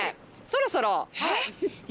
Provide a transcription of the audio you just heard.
そろそろ。